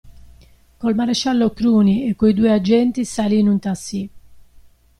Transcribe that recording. Col maresciallo Cruni e coi due agenti salì in un tassi.